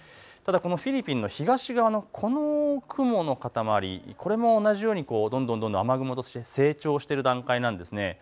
ただこのフィリピンの東側のこの雲の塊、これも同じようにどんどん雨雲として成長している段階なんです。